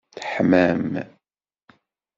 Teḥmam!